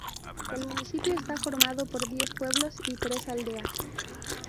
El municipio está formado por diez pueblos y tres aldeas.